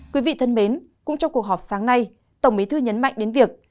quý vị thân mến cũng trong cuộc họp sáng nay tổng bí thư nhấn mạnh đến việc